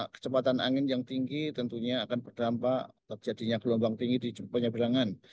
kecepatan angin yang tinggi tentunya akan berdampak terjadinya gelombang tinggi di penyeberangan